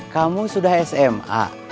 kamu sudah sma